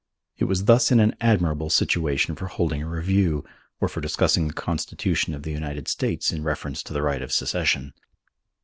It was thus in an admirable situation for holding a review or for discussing the Constitution of the United States in reference to the right of secession.